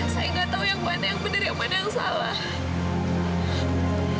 saya nggak tahu yang mana yang benar yang mana yang salah